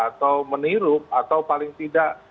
atau meniru atau paling tidak